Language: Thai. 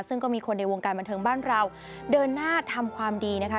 ซึ่งก็มีคนในวงการบันเทิงบ้านเราเดินหน้าทำความดีนะคะ